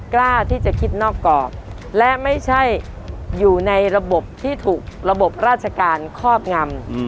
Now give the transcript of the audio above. กล้าที่จะคิดนอกกรอบและไม่ใช่อยู่ในระบบที่ถูกระบบราชการครอบงำ